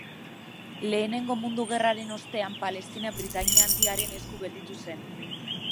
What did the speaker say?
Lehenengo Mundu Gerraren ostean, Palestina Britainia Handiaren esku gelditu zen.